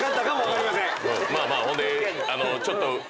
まあまあほんでちょっと。